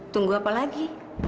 tunggu apa lagi